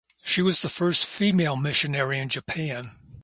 She was the first female missionary in Japan.